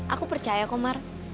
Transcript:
aku percaya komar